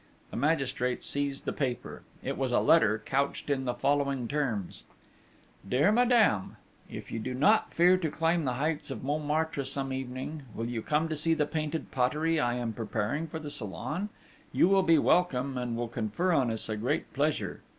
The magistrate seized the paper: it was a letter, couched in the following terms: Dear Madame, _If you do not fear to climb the heights of Montmartre some evening, will you come to see the painted pottery I am preparing for the Salon: you will be welcome, and will confer on us a great pleasure.